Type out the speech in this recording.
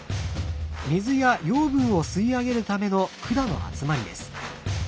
水や養分を吸い上げるための管の集まりです。